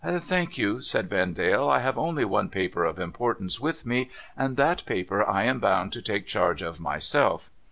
' Thank you,' said Vendale. ' I have only one paper of impor tance with me ; and that paper I am bound to take charge of myself.